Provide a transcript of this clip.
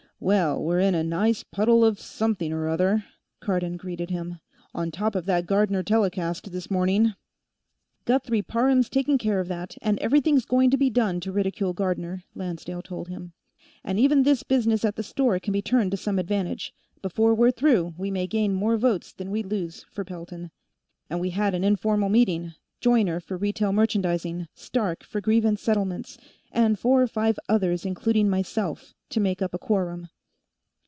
"Well, we're in a nice puddle of something or other," Cardon greeted him. "On top of that Gardner telecast, this morning " "Guthrie Parham's taking care of that, and everything's going to be done to ridicule Gardner," Lancedale told him. "And even this business at the store can be turned to some advantage. Before we're through, we may gain more votes than we lose for Pelton. And we had an informal meeting Joyner for Retail Merchandising, Starke for Grievance Settlements, and four or five others including myself, to make up a quorum.